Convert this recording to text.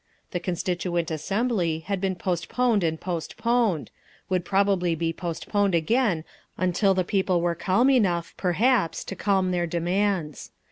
The Constituent Assembly had been postponed and postponed—would probably be postponed again, until the people were calm enough—perhaps to modify their demands!